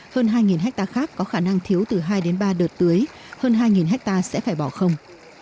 hơn hai hectare khác có khả năng thiếu từ hai đến ba đợt tưới hơn hai hectare sẽ phải bỏ không